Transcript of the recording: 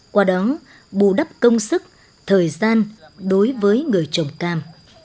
qua đó bù đắp công sức thời gian đối với người trồng cam